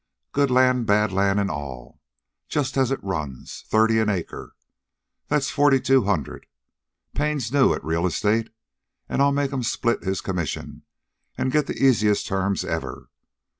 "Good land, bad land, an' all, just as it runs, thirty an acre. That's forty two hundred. Payne's new at real estate, an' I'll make 'm split his commission an' get the easiest terms ever.